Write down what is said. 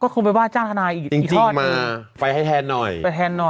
สระนัดเลือด